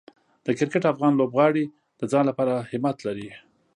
د کرکټ افغان لوبغاړي د ځان لپاره همت لري.